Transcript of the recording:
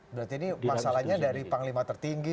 berarti ini masalahnya dari panglima tertinggi